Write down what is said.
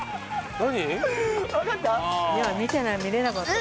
何？